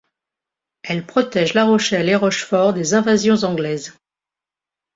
Elle protège La Rochelle et Rochefort des invasions anglaises.